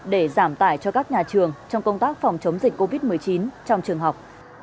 để giảm tải cho các nhà trường trong công tác phòng chống dịch covid một mươi chín trong trường học